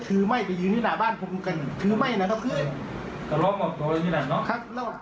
ครับเล่าล่ะเล่าล่ะ